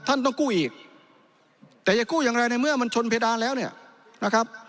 ต้องกู้อีกแต่จะกู้อย่างไรในเมื่อมันชนเพดานแล้วเนี่ยนะครับ